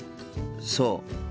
そう。